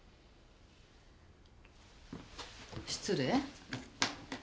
失礼。